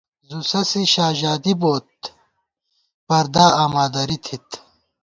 زُو سَسی شاژادی بوئیت پردا آما دری تھِت